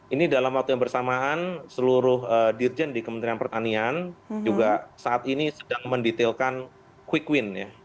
ini dalam waktu yang bersamaan seluruh dirjen di kementerian pertanian juga saat ini sedang mendetailkan quick win ya